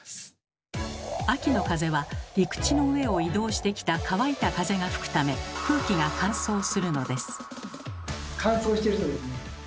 秋の風は陸地の上を移動してきた乾いた風が吹くため空気が乾燥するのです。